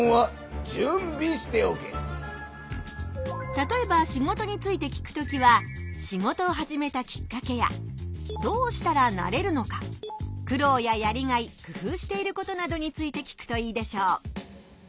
たとえば仕事について聞くときは仕事を始めたきっかけやどうしたらなれるのか苦労ややりがい工夫していることなどについて聞くといいでしょう。